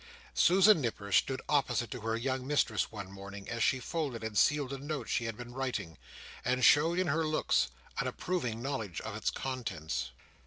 Susan Nipper stood opposite to her young mistress one morning, as she folded and sealed a note she had been writing: and showed in her looks an approving knowledge of its contents.